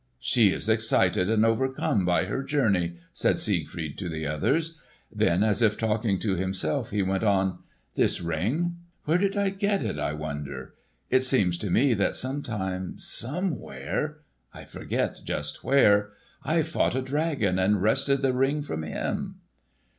"She is excited and overcome by her journey," said Siegfried to the others. Then as if talking to himself he went on, "This Ring? Where did I get it, I wonder? It seems to me that some time, somewhere—I forget just where—I fought a dragon and wrested the Ring from him."